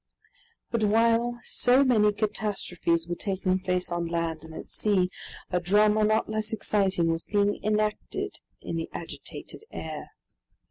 But while so many catastrophes were taking place on land and at sea, a drama not less exciting was being enacted in the agitated air.